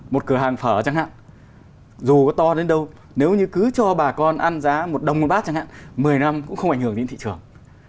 một cửa hàng phở chẳng hạn dù có to đến đâu nếu như cứ cho bà con ăn giá một đồng một bát chẳng hạn một mươi năm cũng không ảnh hưởng đến thị trường